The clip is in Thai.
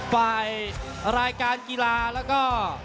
ฝ่ายรายการกีฬาแล้วก็